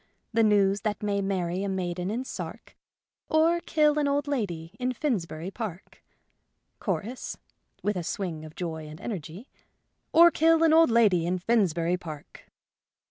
The news that may marry a maiden in Sark, Or kill an old lady in Finsbury Park." Chorus (with a swing of joy and energy) :" Or kill an old lady in Finsbury Park."